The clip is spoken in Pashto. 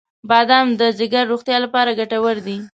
• بادام د جګر روغتیا لپاره ګټور دی.